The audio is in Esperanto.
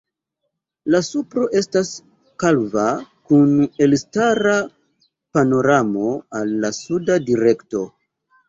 La supro estas kalva kun elstara panoramo al la suda direkto.